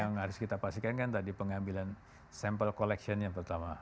yang harus kita pastikan kan tadi pengambilan sampel collection yang pertama